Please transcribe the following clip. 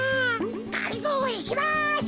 がりぞーいきます！